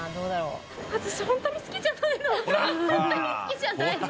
ホントに好きじゃないの。